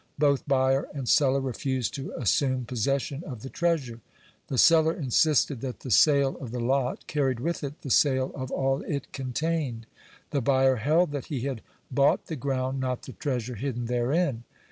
Both buyer and seller refused to assume possession of the treasure. The seller insisted that the sale of the lot carried with it the sale of all it contained. The buyer held that he had bought the ground, not the treasure hidden therein.